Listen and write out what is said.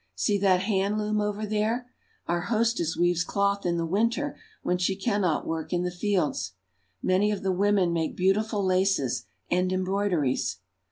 See that hand loom over there ! Our hostess weaves cloth in the winter when she cannot work in the fields. Many of the women make beautiful laces and embroideries.